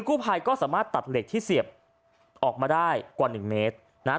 กู้ภัยก็สามารถตัดเหล็กที่เสียบออกมาได้กว่าหนึ่งเมตรนะฮะ